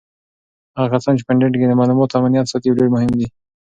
هغه کسان چې په انټرنیټ کې د معلوماتو امنیت ساتي ډېر مهم دي.